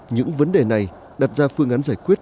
những vấn đề này đặt ra phương án giải quyết